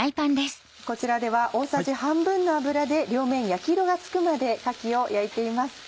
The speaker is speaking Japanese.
こちらでは大さじ半分の油で両面に焼き色がつくまでかきを焼いています。